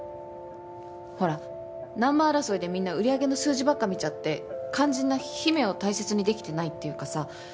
ほらナンバー争いでみんな売り上げの数字ばっか見ちゃって肝心な姫を大切にできてないっていうかさ。